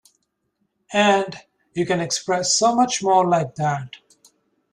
And you can express so much more like that.